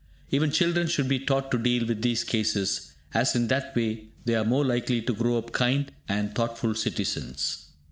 Even children should be taught to deal with these cases, as in that way they are the more likely to grow up kind and thoughtful citizens.